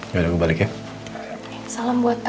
gak ada aku balik ya